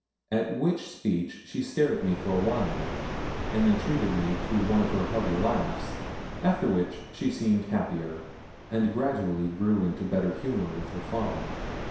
At which speech she stared at me for a while, and then treated me to one of her hearty laughs, after which she seemed happier, and gradually grew into better humour with her father.